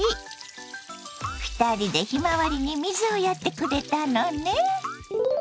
２人でひまわりに水をやってくれたのね。